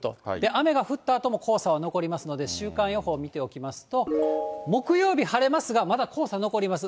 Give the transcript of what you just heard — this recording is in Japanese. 雨が降ったあとも黄砂は残りますので、週間予報見ておきますと、木曜日晴れますが、まだ黄砂残ります。